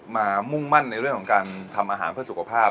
มุ่งมั่นในเรื่องของการทำอาหารเพื่อสุขภาพ